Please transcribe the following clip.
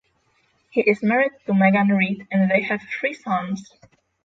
He is married to Megan Reed and they have three sons.